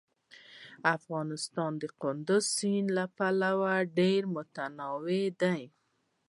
افغانستان د کندز سیند له پلوه ډېر متنوع دی.